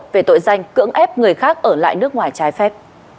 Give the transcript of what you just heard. về tội danh cưỡng ép người khác ở lại nước ngoài trái phép